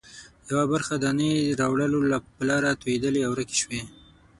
یوه برخه دانې د راوړلو په لاره توېدلې او ورکې شوې.